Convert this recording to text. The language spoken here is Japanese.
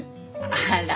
あら。